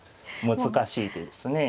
難しい手ですね。